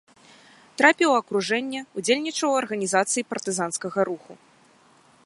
Трапіў у акружэнне, удзельнічаў у арганізацыі партызанскага руху.